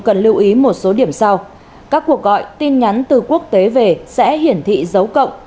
cần lưu ý một số điểm sau các cuộc gọi tin nhắn từ quốc tế về sẽ hiển thị dấu cộng